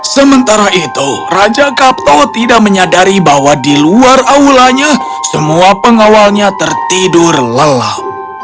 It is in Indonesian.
sementara itu raja kapto tidak menyadari bahwa di luar aulanya semua pengawalnya tertidur lelah